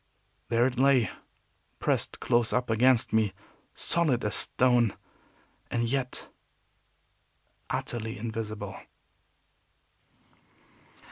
There it lay, pressed close up against me, solid as stone, and yet utterly invisible!